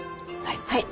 はい。